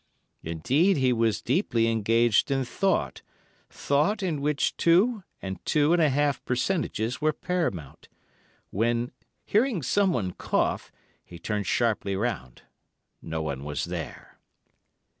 Indeed, he was deeply engaged in thought—thought in which two, and two and a half percentages were paramount—when, hearing someone cough, he turned sharply round. No one was there.